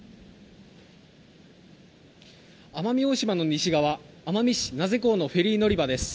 奄美大島の西側奄美市名瀬港のフェリー乗り場です。